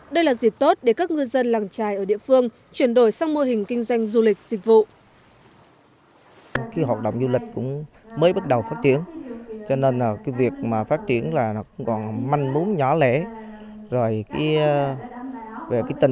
đây là dịp tốt để các ngư dân làng trài ở địa phương chuyển đổi sang mô hình kinh doanh du lịch dịch vụ